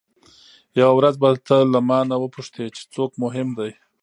یوه ورځ به ته له مانه وپوښتې چې څوک مهم دی.